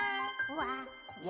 「わ！」